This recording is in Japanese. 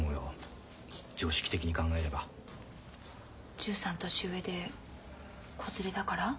１３年上で子連れだから？